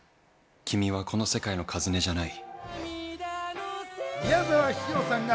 君はこの世界の和音じゃない。